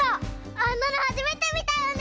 あんなのはじめてみたよね！